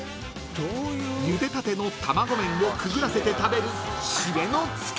ゆでたての卵麺をくぐらせて食べる］